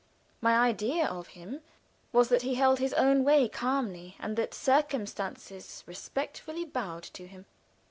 My idea of him was that he held his own way calmly, and that circumstances respectfully bowed to him.